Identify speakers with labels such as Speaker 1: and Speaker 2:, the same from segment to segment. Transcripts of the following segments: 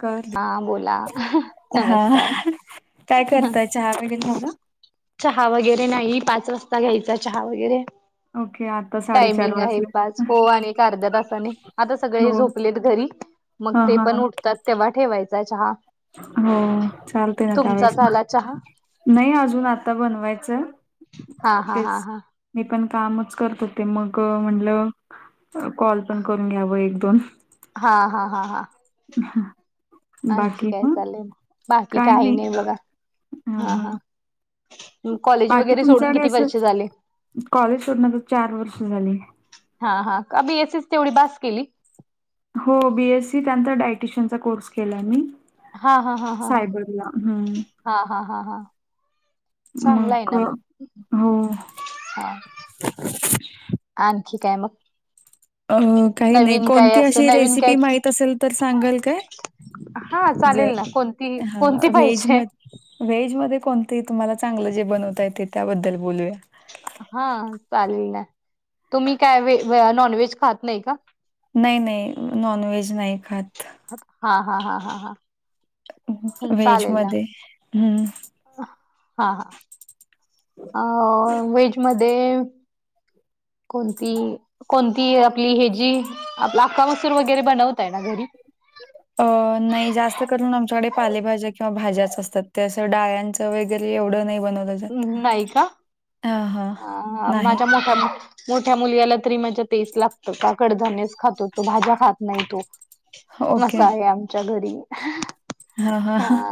Speaker 1: कर
Speaker 2: हा बोला
Speaker 1: हा
Speaker 2: नमस्कार
Speaker 1: काय करताय चहा वगैरे झाला?
Speaker 2: चहा वगैरे नाही पाच वाजता घ्यायचा चहा वगैरे
Speaker 1: ओके आ
Speaker 2: टायमिंग आहे पाच हो आणि एक अर्ध्या तासाने आता सगळे
Speaker 1: हो
Speaker 2: झोपलेत घरी मग
Speaker 1: हा
Speaker 2: ते
Speaker 1: हा
Speaker 2: पण उठतात तेव्हा ठेवायचा चहा.
Speaker 1: हो चालते ना
Speaker 2: तुमचा
Speaker 1: त्यावेळेस
Speaker 2: झाला चहा
Speaker 1: नाही अजून आता बनवायचं.
Speaker 2: हा हा हा
Speaker 1: तेच
Speaker 2: हा.
Speaker 1: मी पण कामच करत होते मग म्हटलं कॉल पण करून घ्यावं एक दोन.
Speaker 2: हा हा हा हा
Speaker 1: ह
Speaker 2: आणखी
Speaker 1: बाकी
Speaker 2: काय
Speaker 1: ह
Speaker 2: चाललंय मग बाकी
Speaker 1: काही नाही
Speaker 2: बघा
Speaker 1: हा हा
Speaker 2: कॉलेज
Speaker 1: बाकी
Speaker 2: वगैरे सोडून
Speaker 1: तुमच्याकडे
Speaker 2: किती
Speaker 1: असं
Speaker 2: वर्ष झाले
Speaker 1: कॉलेज सोडणार चार वर्ष झाली.
Speaker 2: हा हा मी एस एच तेवढी बास केली.
Speaker 1: हो बीएससी त्याचार डायटिशयनचा कोर्स केला मी
Speaker 2: हा हा हा हा हा
Speaker 1: सायबरला हम्म
Speaker 2: हा हा हा हा चांगला आहे
Speaker 1: मग
Speaker 2: ना
Speaker 1: हो
Speaker 2: हा आणखी काय मग
Speaker 1: अ काही नाही
Speaker 2: नवीन काय
Speaker 1: कोणती
Speaker 2: असं
Speaker 1: अशी
Speaker 2: नवीन काय
Speaker 1: रेसिपी माहत असेल तर सांगाल काय?
Speaker 2: हा
Speaker 1: जर
Speaker 2: चालेल ना कोणती कोणती पाहिजे.
Speaker 1: व्हेज मध्ये कोणते तुम्हाला चांगलं जे बनवता येत त्याबद्दल बोलूया.
Speaker 2: हा चालेल तुम्ही काय व नॉनव्हेज खात नाही का?
Speaker 1: नाही नाही नॉन व्हेज नाही खात.
Speaker 2: हा हा हा हा हा
Speaker 1: वेज
Speaker 2: चालेल ना
Speaker 1: मधे हम्म
Speaker 2: हा ह अ वेज मधे कोणती कोणती आपली ह जी आप आका मसूर वगैरे बनवताय ना घरी
Speaker 1: अ नाही जास्त करून आमच्याकडे पालेभाज्या किंवा भाज्याच असतात ते असं डाळ्यांच. वगैरे एवं ढ को नाही बनवलंच.
Speaker 2: ह् नाही का
Speaker 1: नाही.
Speaker 2: माझ्या मोठ्या मोठ्या मुलीला तरीि माझ्या टस्ट लागत काकडधान्यच खातो तो भाज्या खात नाही तो अस
Speaker 1: ओके.
Speaker 2: आहे आमच्या घरी
Speaker 1: हां, हां.
Speaker 2: हा.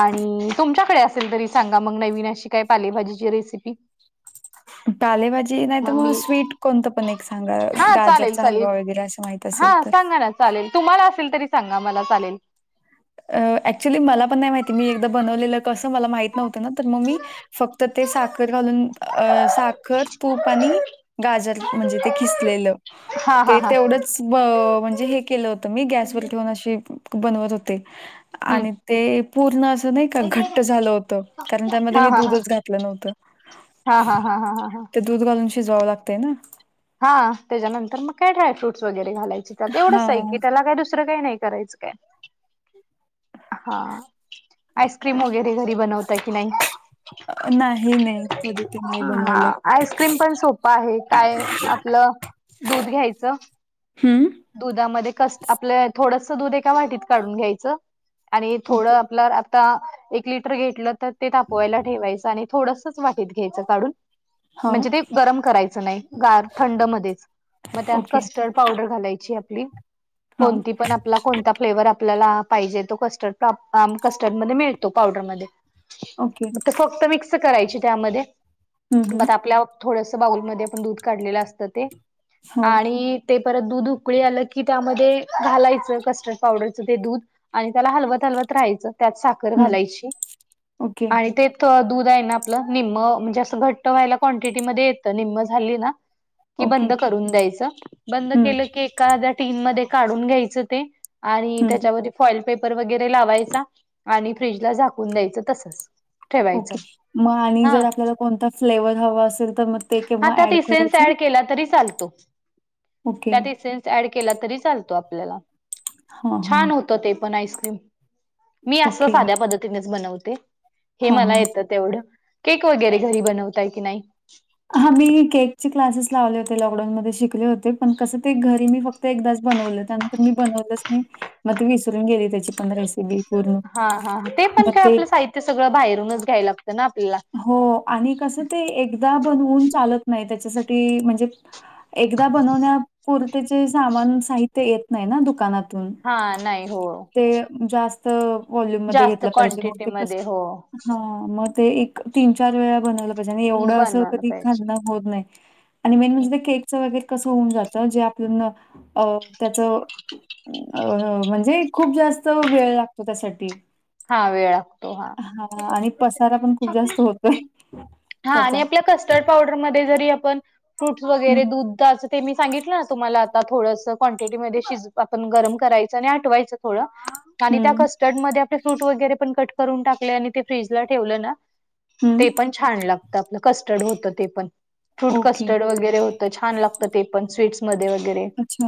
Speaker 2: आणि तुमच्याकडे असेल तरी सांगा मग नवीन अशी काय पालेभाजीची रेसिपी
Speaker 1: पालेभाजी नाही तर मग स्वीट कोणतं पण एक सांगा
Speaker 2: हा चालेल
Speaker 1: गाजरचा
Speaker 2: चालेल
Speaker 1: हलवा वगैरे असं माहित
Speaker 2: हा
Speaker 1: असेल तर
Speaker 2: सांगा ना चालेल तुम्हाला असेल तरी सांगा मला चालेल.
Speaker 1: अऍक्च्युली मला पण नाही माहिती मी एकदा बनवलेलं कसं मला माहित नव्हतं ना तर मग मी. फक्त ते साखर घालून अ साखर तूप आणि गाजर म्हणजे ते खिसलेलं. ते
Speaker 2: हा-हा-हा.
Speaker 1: तेवढंच म्हणजे हे केलं होत मी गॅसवर ठेवून अशी बनवत होते. आणि ते पूर्ण असं नाही का घट्ट झालं होतं. कारण त्यामध्ये
Speaker 2: हा
Speaker 1: मी
Speaker 2: हा
Speaker 1: दूधच घातलं नव्हतं.
Speaker 2: हा हा हा हा हा हा.
Speaker 1: ते दूध घालून शिजवावं लागतें ना.
Speaker 2: हा त्याच्यानंतर मग का ड्रायफूट वगैर घालायचे. त्यात तर तेवढंच
Speaker 1: हा
Speaker 2: आहे की त्याला काही दुसरं काही नाही करायचं. के [unintelligible] हा. आईस्क्रीम वगैरे घरी बनवते ता की नाही.
Speaker 1: नाही नाही कधी ते नाही
Speaker 2: हा
Speaker 1: बनवलं
Speaker 2: आईस्क्रीम पण सोप आहे काय आपलं दूध घ्यायचं.
Speaker 1: हां.
Speaker 2: दुधामध्ये कस आपलं थोडस दूध एका वाटीत काढून घ्यायचं. आणि थोडं
Speaker 1: ओके
Speaker 2: आपल्या आता एक लिटर घेतलं तर ते तापवायला ठेवायचं आणि थोडसच वाटत घ्यायचं काढून
Speaker 1: हा
Speaker 2: म्हणजे ते गरम करायचं नाही गार थंड मध्येच मग त्यात
Speaker 1: ओके
Speaker 2: कस्टर्ड पावडर घालायची.
Speaker 1: हा
Speaker 2: कोणती पण आपला कोणता फ्लेवर आपल्याला पाहिजे तो कस्टर्ड कस्टर्ड मध्ये मिळतो पावडरमध्ये
Speaker 1: ओके.
Speaker 2: मग ते फक्त मिक्स करायची त्यामध्ये
Speaker 1: हम्म
Speaker 2: म
Speaker 1: हम्म
Speaker 2: आपल्या थोडस बाऊलमध्ये-ध्ये आपण दूध काढलेलं असत ते
Speaker 1: हो
Speaker 2: आणि ते परत दूध उकळी आलं की त्यामध्ये घालायचं कस्टर्ड पावडरचं ते दूध आणि त्याला हलवत हलवत राहायचं त्यात साखर
Speaker 1: हम्म
Speaker 2: घालायची.
Speaker 1: ओके
Speaker 2: आणि ते दूध आहे ना आपलं निम्म म्हणजे असं घट व्हायला क्वांटिटी मध्ये येतं निम्म झाली ना कि
Speaker 1: ओके.
Speaker 2: बंद करून द्यायचं बंद
Speaker 1: हं,
Speaker 2: केलं की एखाद्या टीन मध्ये काढून घ्यायचं ते आणि
Speaker 1: हं.
Speaker 2: त्याच्यावर फॉइल पेपर वगैरे लावायचा आणि फ्रीजला झाकून द्यायचं तसच ठेवायचं
Speaker 1: ओके मग आणि
Speaker 2: हा
Speaker 1: जर आपल्याला कोणता फ्लेवर हवा असेल तर मग ते
Speaker 2: हा
Speaker 1: केव्हा
Speaker 2: त्यात
Speaker 1: ऍड
Speaker 2: इसेन्स
Speaker 1: करायचं.
Speaker 2: ऍड केला तरी चालतो.
Speaker 1: ओके.
Speaker 2: त्यात ईसेंनस ऍड केला तरी चालतो आपल्याला
Speaker 1: हां, हां.
Speaker 2: छान हो ते पण आईक्रीम मी अस
Speaker 1: ओके.
Speaker 2: साध्या पद्धतीनेच बनवते हे
Speaker 1: हां,
Speaker 2: मला
Speaker 1: हां.
Speaker 2: येत तेवढं केक वगैरे घरी बनवताय की नाही.
Speaker 1: हा मी केकचे क्लासेस लावले होते लॉकडाऊनमध्ये-ध्ये शिकले होते पण कसं ते घरी मी फक्त एकदाच बनवलं त्यांना मी बनवलंच नाही मग त विसरून गेली त्याची पण रेसिपी पूर्ण.
Speaker 2: हा हा ते पण काय आपलं साहित्य सगळं बाहेरूनच घ्यायला लागतं ना आपल्याला
Speaker 1: हो आणि कसं ते एकदा बनवून चालत नाही त्याच्यासाठी म्हणजे एकदा बनवण्यापुरतचे सामान साहित्य येत नाही ना दुकानातून
Speaker 2: हा नाही हो.
Speaker 1: ते जास्त वोल्युम मध्ये
Speaker 2: जास्त
Speaker 1: घेतलं पाहिजे मग
Speaker 2: क्वांटिटी
Speaker 1: ते
Speaker 2: मध्ये हो
Speaker 1: कसं ते एक तीन चार वेळा बनवलं पाहिजे आणि एवढं असं
Speaker 2: बनवायला
Speaker 1: तरी
Speaker 2: पाहिजे
Speaker 1: खाना होत नाही आणि मेन म्हणजे ते केकच वगैरे कस होऊन जात जे आपलं त्याच अ म्हणजे खूप जास्त वेळ लागतो त्यासाठी
Speaker 2: हा वेळ लागतो
Speaker 1: हा आणि पसारा पण खूप जास्त होतोय
Speaker 2: हा
Speaker 1: त्याचा
Speaker 2: आणि आपल्या कस्टर्ड पावडर म आपण फ्रुट वर
Speaker 1: हम्म
Speaker 2: द ते मी सांगितलं ना तुम्हाला आता थोडंस क्वांटिटीमध्ये शिजवून आपण गरम करायचं आणि आटवायचं थोडं. आणि त्या
Speaker 1: हम्म.
Speaker 2: कस्टर्ड मध्ये आपले फ्रूट वगैरे पण कट करून टाकले आणि ते फ्रीजला ठेवलं ना.
Speaker 1: हं,
Speaker 2: ते पण छान लागत आपलं कस्टर्ड होत ते पण फ्रूट
Speaker 1: ओके.
Speaker 2: कस्टर्ड वगैरे होत. छान लागत ते पण स्वीट् म वगैरे
Speaker 1: अच्छा.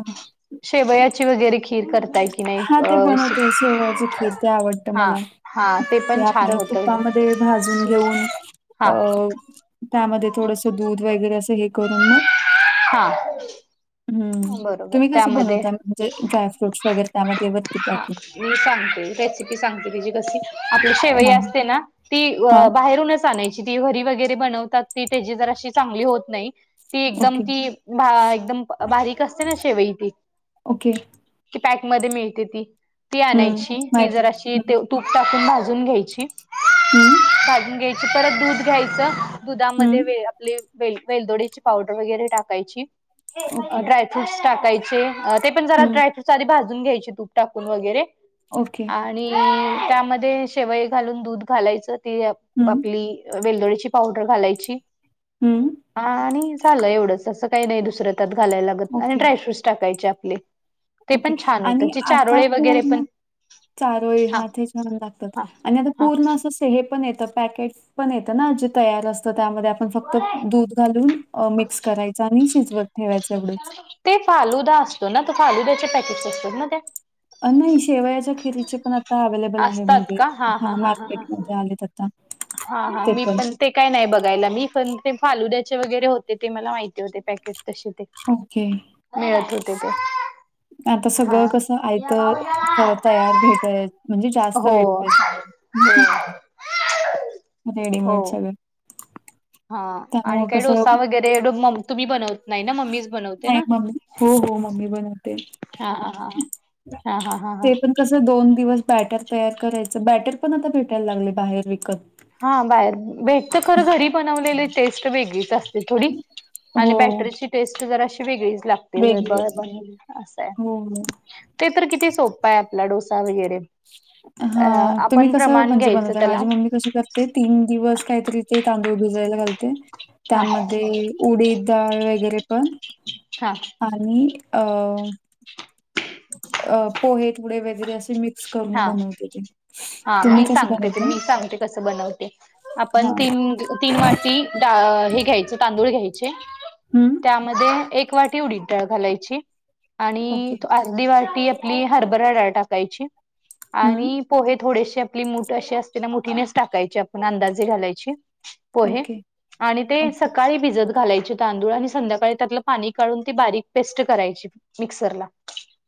Speaker 2: शेवयाची वगैरे खीर करतायेत.
Speaker 1: हा ते बनवते शेवयाची खीर ते आवडत
Speaker 2: हा
Speaker 1: मला
Speaker 2: हा
Speaker 1: ते
Speaker 2: पण छान
Speaker 1: आपल्या
Speaker 2: होत
Speaker 1: तुप्पामध्ये भाजून घेऊन
Speaker 2: हा
Speaker 1: अं. त्यामध्ये थोडस दूध वगैरे असं हे करून मग
Speaker 2: ह.
Speaker 1: हम्म तुम्ही कसं
Speaker 2: त्यामध्ये
Speaker 1: बनवता म्हणजे ड्रायफ्रूट्स वगैरे त्यामध्ये वरती
Speaker 2: हा
Speaker 1: टाकून
Speaker 2: मी सांगते रेसिपी सांगते की जी कशी आपली शेवई
Speaker 1: हां,
Speaker 2: असते ना. ती
Speaker 1: हां.
Speaker 2: अ बाहेरूनच आणायची ती हरी वगैरे बनवतात ती त्याची जर अशी चांगली होत नाही. ती एकदम
Speaker 1: ओके,
Speaker 2: ती बा एकदम बारीक असते ना शेवई ती
Speaker 1: ओके.
Speaker 2: की पॅकमध्ये मिळते ती ती
Speaker 1: हं,
Speaker 2: आणायची ती
Speaker 1: माहिती
Speaker 2: जर अशी
Speaker 1: आहे. हं,
Speaker 2: तूप टाकून भाजून घ्यायची.
Speaker 1: हम्म.
Speaker 2: भाजून घ्यायची परत दूध घ्यायचं दुधामध्ये
Speaker 1: हं.
Speaker 2: वे वे वेलदोडीची पावडर वगैरे टाकायची.
Speaker 1: ओके.
Speaker 2: ड्रायफ्रूट्स टाकायचे ते पण जरा
Speaker 1: हं,
Speaker 2: ड्रायफ्रूटस आधी भाजून घ्यायचे तूप टाकून वगैरे
Speaker 1: ओके.
Speaker 2: आणि त्यामध्ये शेवय घालून दूध घालायचं ती
Speaker 1: हं,
Speaker 2: आपली वेलदोळीची पावडर घालायची.
Speaker 1: हम्म.
Speaker 2: हा आणि झालं एवढंच असं काही नाही दुसरं त्यात घालायला लागत आणि
Speaker 1: ओके,
Speaker 2: ड्रायफ्रूटस टाकायचे आपले ते
Speaker 1: ओके
Speaker 2: पण छान होतं
Speaker 1: आणि
Speaker 2: जे
Speaker 1: असा
Speaker 2: चारोळे वगैरे पण
Speaker 1: पूर्ण चारोळी
Speaker 2: हा
Speaker 1: हात हे छान लागतात
Speaker 2: हा
Speaker 1: आणि आता
Speaker 2: हा
Speaker 1: पूर्ण अस. हे पण येत पॅकेट पण येतं ना जे तयार असतं त्यामध्ये आपण फक्त दूध घालून. मिक्स करायचा आणि शिजवत. ठेवायचं एवढंच.
Speaker 2: ते फालुदा असतो ना तो फालुदा्याच्या पॅकेट्स असतो ना त्या
Speaker 1: नाही शेवयाच्या खिरीचे पण आता अव्हेलेबल आहे मध्ये हा मार्केटमध्ये आले.
Speaker 2: हा हा मी पण ते काय नाही बघायला मी पण ते फालुद्याचे वगैरे होते ते मला माहिती होते पॅकेट तसे ते
Speaker 1: ओके.
Speaker 2: मिळत होते ते
Speaker 1: आता
Speaker 2: हा
Speaker 1: सगळं कसं आयत तयार भेटय म्हणजे जास्त
Speaker 2: हो
Speaker 1: भेटतय सगळं.
Speaker 2: हो. हो
Speaker 1: रेडीमेंट सगळ.
Speaker 2: हा आणि काही
Speaker 1: कसं
Speaker 2: डोसा वगैरे तुम्ही बनवत नाही ना मम्मीच बनवते
Speaker 1: नाही
Speaker 2: ना.
Speaker 1: मम्मी हो हो मम्मी बनवते.
Speaker 2: हा हा हा हा हा हा हा.
Speaker 1: ते पण कसं दोन दिवस बॅटर तयार करायचं बॅटर पण आता भेटायला लागले बाहेर विकत
Speaker 2: हा बाहेर भेटत खर घरी बनवलेली टेस्ट वेगळीच असते. थोडी आणि
Speaker 1: हो.
Speaker 2: बॅटरीची टेस्ट जर अशी वेगळीच लागते.
Speaker 1: वेगळी
Speaker 2: ब
Speaker 1: असते.
Speaker 2: ब असय
Speaker 1: हो
Speaker 2: ते तर किती सोपा आहे आपला डोसा वगैरे अ
Speaker 1: हा, तुम्ही
Speaker 2: आपण
Speaker 1: कसं
Speaker 2: प्रमाण
Speaker 1: म्हणजे
Speaker 2: घ्यायचं
Speaker 1: बघा
Speaker 2: त्याला
Speaker 1: माझी मम्मी कशी कर ते तीन दिवस काहीतरी ते तांदूळ भिजायला घालते,
Speaker 2: हा
Speaker 1: त्यामध्ये उडीद डाळ वगैरे पण
Speaker 2: हा
Speaker 1: आणि अ अ पोहे थोडे वगैरे असे मिक्स करून
Speaker 2: हा
Speaker 1: बनवते ते.
Speaker 2: हा
Speaker 1: तुम्ही
Speaker 2: मी
Speaker 1: कसं
Speaker 2: सांगते ते
Speaker 1: बनवताय?
Speaker 2: मी सांगते, कसं बनवते? आपण
Speaker 1: हा
Speaker 2: तीन तीन वाटी डा अ हे घ्यायचं तांदूळ घ्यायचे,
Speaker 1: हम्म
Speaker 2: त्यामध्ये एक एक वाटी उडीद डाळ घालायची
Speaker 1: ओके
Speaker 2: आणि तो अर्धी वाटी आपली हरभरा डाळ टाकायची.
Speaker 1: हम्म
Speaker 2: आणि पोहे थोडेसे आपली मूठ अशी असते ना मुठीनेच टाकायची आपण अंदाजे घालायची. पोहे
Speaker 1: ओके
Speaker 2: आणि ते
Speaker 1: ओके.
Speaker 2: सकाळी भिजत घालायचे तांदूळ आणि संध्याकाळी त्यातलं पाणी काढून ती बारीक पेस्ट करायची मिक्सरला.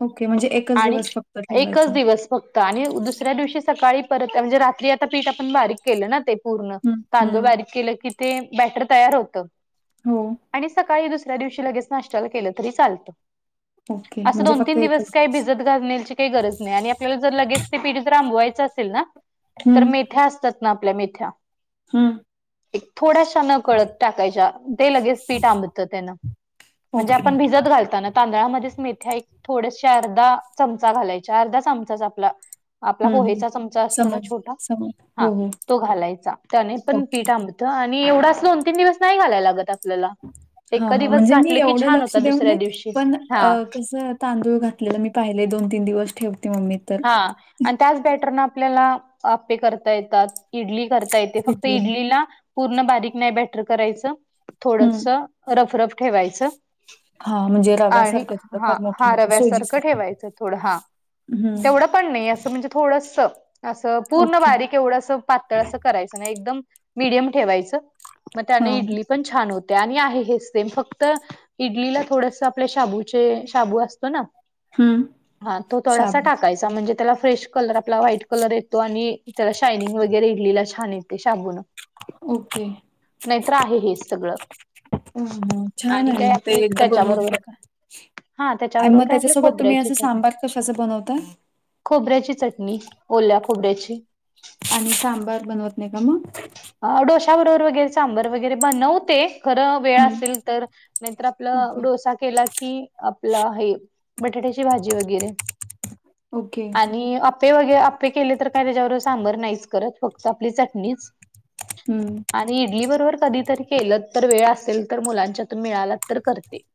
Speaker 1: ओके, म्हणजे एकच
Speaker 2: आणि
Speaker 1: दिवस फक्त
Speaker 2: एकच
Speaker 1: ठेवायचं.
Speaker 2: दिवस फक्त आणि दुसऱ्या दिवशी सकाळी परत म्हणजे रात्री आता पीठ आपण बारीक केलं ना ते पूर्ण,
Speaker 1: हम्म
Speaker 2: तांदूळ
Speaker 1: हम्म
Speaker 2: बारीक के की ते बॅटर तयार होतं
Speaker 1: हो
Speaker 2: आणि सकाळी दुस ऱ्या दिवशी लगेच नाष्ट्याला केलं तरी चालतं.
Speaker 1: ओके
Speaker 2: असं
Speaker 1: म्हणजे
Speaker 2: दोन
Speaker 1: फक्त
Speaker 2: तीन
Speaker 1: एकच
Speaker 2: दिवस काही भिजत घालण्याची काही गरज नाही आणि तुला जर लगेच ते पिठ जर आंबवायचं असेल ना, तर
Speaker 1: हं,
Speaker 2: मेथ्या असतात ना आपल्या मेथ्या.
Speaker 1: हम्म.
Speaker 2: एक थोड्याशा न कळत टाकायच्या, ते लगेच पीठ आंबतं त्यानं. म्हणजे
Speaker 1: ओके.
Speaker 2: आपण भिजत घालताना तांदळामध्येच मेथ्या एक थोडेशे अर्धा चमचा घालायचे अर्धा चमचाच आपला आपला
Speaker 1: हं, हं.
Speaker 2: पोहेचा चमचा असतो ना
Speaker 1: समज
Speaker 2: छोटा,
Speaker 1: समज.
Speaker 2: हा
Speaker 1: हो, हो.
Speaker 2: तो घालायचा त्याने पण
Speaker 1: ओके.
Speaker 2: पीठ आंबत त आणि एवढं‌ असं दोन तीन दिवस नाही घालायला लागत आ
Speaker 1: हा हा, म्हणजे मी एवढं
Speaker 2: छान
Speaker 1: लक्ष
Speaker 2: होता
Speaker 1: देऊन
Speaker 2: दुसऱ्या
Speaker 1: आहे
Speaker 2: दिवशी
Speaker 1: पण
Speaker 2: हा
Speaker 1: कसं तांदूळ घातलेलं मी पाहिलय, दोन तीन दिवस ठेवते मम्मी. तर
Speaker 2: हा आणि त्याच बॅटरनं आपल्याला आप्पे करता येतात इडली कर ता येते, फक्त
Speaker 1: पिठले
Speaker 2: इडलीला पूर्ण बारीक नाही बॅटर करायचं,
Speaker 1: हं.
Speaker 2: थोडसं रफ रफ ठेवायचं.
Speaker 1: हां, म्हणजे
Speaker 2: आणि
Speaker 1: रव्यासारखं थोडं
Speaker 2: हा
Speaker 1: फार
Speaker 2: हा
Speaker 1: मोठं-मोठं
Speaker 2: रव्यासारखं
Speaker 1: सोजीसारखं.
Speaker 2: ठेवायचं थोडं हा.
Speaker 1: हं.
Speaker 2: तेवढं पण नाही असं म्हणजे थोडंस, असं पूर्ण
Speaker 1: ओके.
Speaker 2: बारीक एवढं असं पातळ असं करायचं नाही, एकदम मिडीयम ठेवायचं मग त्याने
Speaker 1: हां.
Speaker 2: इडली पण छान होते आणि आहे हेच तेेम फक्त इडलीला थोडस आपल्या शाबूचे शाबू असतो ना
Speaker 1: हं.
Speaker 2: हा, तो थोडासा
Speaker 1: शाबू.
Speaker 2: टाकायचा म्हणजे त्याला फ्रेश कलर आपला व्हाईट कलर येतो आणि त्याला शायनिंग वगैरे इडलीला छान येते शाबूनं.
Speaker 1: ओके.
Speaker 2: नाहीतर आहे हेच सगळं.
Speaker 1: हम्म हम्म, छान
Speaker 2: आणि
Speaker 1: आहे
Speaker 2: काय
Speaker 1: मी ते
Speaker 2: आपली
Speaker 1: एकदा बनवून
Speaker 2: त्याच्याबरोबर
Speaker 1: बघ
Speaker 2: का हा
Speaker 1: आणि मग
Speaker 2: त्याच्याबरोबर काय आपली
Speaker 1: त्याच्यासोबत तुम्ही
Speaker 2: खोबऱ्याची
Speaker 1: असं
Speaker 2: चटणी
Speaker 1: सांबार कशाचं बनवता?
Speaker 2: खोबऱ्याची चटणी ओल्या खोबऱ्याची.
Speaker 1: आणि सांबार बनवत नाही का मग?
Speaker 2: अ डोश्या बरोबर वगैरे सांबर वगैरे बनवते. खरं वेळ
Speaker 1: हं.
Speaker 2: असेल तर, नाहीतर आपलं
Speaker 1: ओके.
Speaker 2: डोसा केला की आपलं हे बटाट्याची भाजी वगैरे
Speaker 1: ओके.
Speaker 2: आणि अ पे वगैरे अप्पे केले तर काय त्याच्याबरं सांबर नाहीच करत फक्त आपली चटणीच.
Speaker 1: हम्.
Speaker 2: आणि इडली बरोबर कधीतरी केलं तर वेळ असेल तर मुलांच्यातून मिळाला तर करते.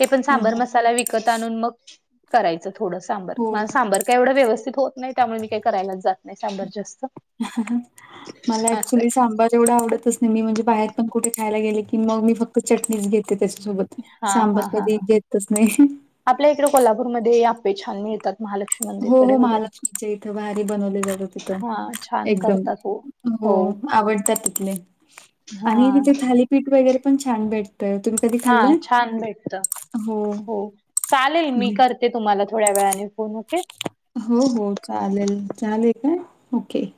Speaker 2: ते पण
Speaker 1: हं,
Speaker 2: सांबर
Speaker 1: हं.
Speaker 2: मसाला विकत आणून मग करायचं थोडं सांबर
Speaker 1: हो.
Speaker 2: माझं सांबर. का एवढं व्यवस्थित होत नाही त्यामुळे मी काही करायलाच जात नाही सांबर जास्त.
Speaker 1: मला
Speaker 2: असं आहे
Speaker 1: चुलीचा सां''--'' आंबा जेवढा आवडतच नाही मी म्हणजे बाहेर पण कुठे खायला गेले की मग मी फक्त चटणीच घेते त्याच्यासोबत.
Speaker 2: हा
Speaker 1: सांबार
Speaker 2: हा हा
Speaker 1: कधी
Speaker 2: हा,
Speaker 1: घेतच नाही.
Speaker 2: आपल्या इकडें कोल्हापूर मध्ये आपे छान मिळतातं.
Speaker 1: हो हो, महालक्ष्मीच्या इथं भारी बनवले जात तिथं
Speaker 2: हा छान
Speaker 1: एकदम.
Speaker 2: करतात हो
Speaker 1: हो आवडतात तिथले
Speaker 2: हा
Speaker 1: आणि तिथेले थाली. पीठ वगैरे प छान भेटतंय.
Speaker 2: हा छान भेटत हो चालेल मी
Speaker 1: हं.
Speaker 2: करते. ते तुम्हाला थोड्या वेळाने फोन ओके.
Speaker 1: हो हो, चालेल चालेल का ओके.